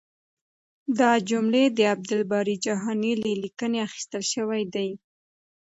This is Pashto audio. دا جملې د عبدالباري جهاني له لیکنې اخیستل شوې دي.